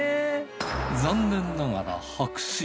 残念ながら白紙。